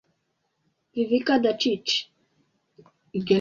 Vivica Dacic